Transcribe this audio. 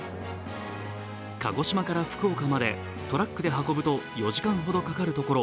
鹿児島から福岡までトラックで運ぶと４時間ほどかかるところ、